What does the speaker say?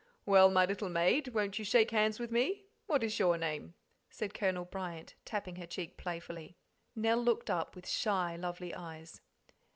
"Well, my little maid, won't you shake hands with me? What is your name?" said Colonel Bryant, tapping her cheek playfully. Nell looked up with shy, lovely eyes.